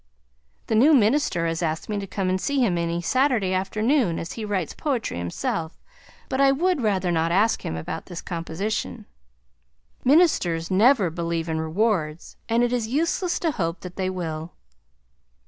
The new minister has asked me to come and see him any Saturday afternoon as he writes poetry himself, but I would rather not ask him about this composition. Ministers never believe in rewards, and it is useless to hope that they will.